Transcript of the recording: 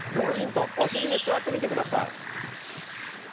ヒントお尻で座ってみてください。